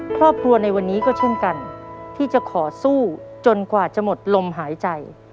ครอบครัวในวันนี้ก็เช่นกันที่จะขอสู้จนกว่าจะหมดลมหายใจ